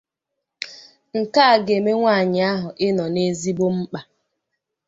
Nke a ga-eme nwanyị ahụ ịnọ na ezigbo mkpa